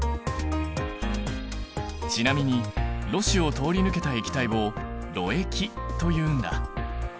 ちなみにろ紙を通り抜けた液体を「ろ液」というんだ。